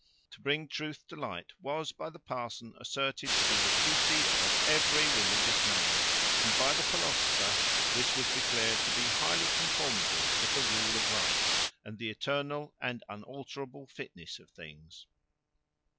To bring truth to light, was by the parson asserted to be the duty of every religious man; and by the philosopher this was declared to be highly conformable with the rule of right, and the eternal and unalterable fitness of things.